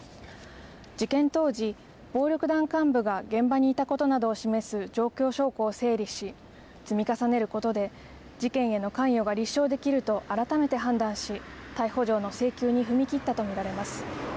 事件当時、暴力団幹部が現場にいたことなどを示す状況証拠を整理し、積み重ねることで、事件への関与が立証できると改めて判断し、逮捕状の請求に踏み切ったと見られます。